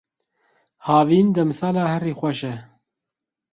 Havîn demsala herî xweş e.